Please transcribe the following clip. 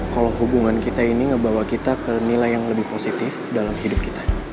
kalau hubungan kita ini ngebawa kita ke nilai yang lebih positif dalam hidup kita